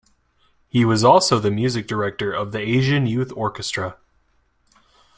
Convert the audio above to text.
He was also the Music Director of the Asian Youth Orchestra.